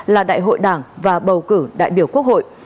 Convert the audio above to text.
là đại hội đảng và bầu cử đại biểu quốc hội